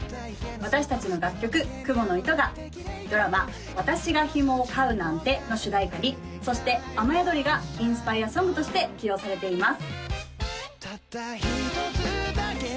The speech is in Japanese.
私達の楽曲「蜘蛛ノ糸」がドラマ「私がヒモを飼うなんて」の主題歌にそして「雨宿り」がインスパイアソングとして起用されています